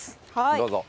どうぞ。